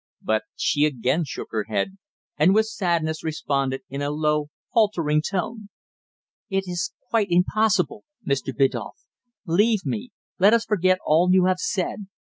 But she again shook her head, and with sadness responded in a low, faltering tone "It is quite impossible, Mr. Biddulph. Leave me let us forget all you have said.